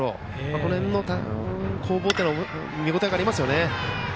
この辺の攻防というのは見応えがありますね。